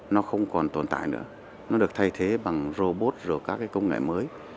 nó không còn tồn tại nữa nó được thay thế bằng robot rồi các cái công nghệ mới